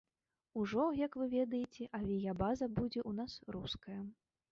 Ужо, як вы ведаеце, авіябаза будзе ў нас руская.